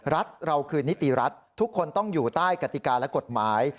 รัฐเราคือนิติรัฐทุกคนต้องอยู่ใต้กติกาและกฎหมาย